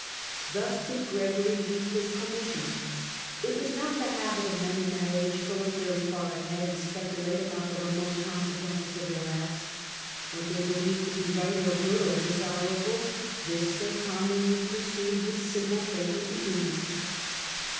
Thus did Gregory read his commission. It was not the habit of men in that age to look very far ahead and speculate about the remote consequences of their acts : what they believed to be right, or good, or desirable, this they commonly pursued with simple faith and eagerness.